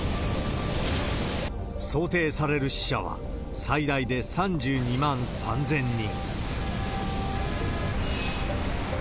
想定される死者は、最大で３２万３０００人。